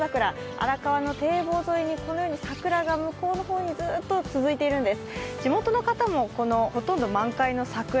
荒川の堤防沿いにこのように桜がずっと続いているんです。